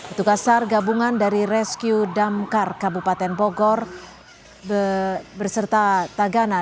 petugas sar gabungan dari rescue damkar kabupaten bogor berserta tagana